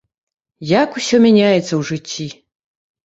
Як усё мяняецца ў жыцці!